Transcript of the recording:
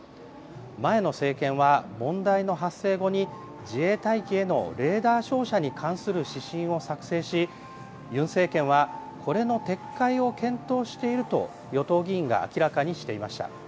前の政権は問題の発生後に、自衛隊機へのレーダー照射に関する指針を作成し、ユン政権は、これの撤回を検討していると与党議員が明らかにしていました。